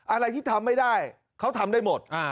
อะไรที่ทำไม่ได้เขาทำได้หมด